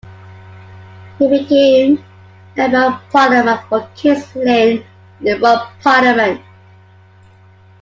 He became Member of Parliament for King's Lynn in the Rump Parliament.